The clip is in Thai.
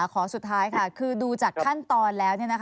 ขอสุดท้ายค่ะคือดูจากขั้นตอนแล้ว